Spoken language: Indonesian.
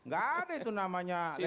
gak ada itu namanya